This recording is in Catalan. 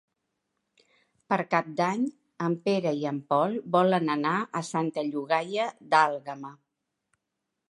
Per Cap d'Any en Pere i en Pol volen anar a Santa Llogaia d'Àlguema.